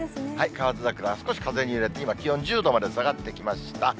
カワヅザクラ、少し風に揺れて、今、気温１０度まで下がってきました。